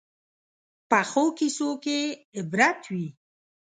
پخو کیسو کې عبرت وي